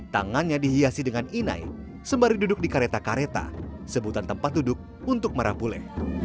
tangannya dihiasi dengan inai sembari duduk di kareta kareta sebutan tempat duduk untuk merah puleh